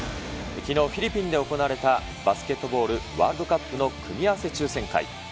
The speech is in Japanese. きのう、フィリピンで行われたバスケットボールワールドカップの組み合わせ抽せん会。